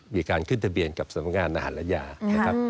มีการขึ้นทะเบียนกับสำนักงานอาหารและยานะครับ